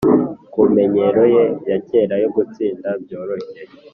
kumenyero ye ya kera yo gutsinda byoroshye.